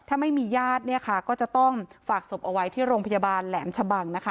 ถ้าไม่มีญาติเนี่ยค่ะก็จะต้องฝากศพเอาไว้ที่โรงพยาบาลแหลมชะบังนะคะ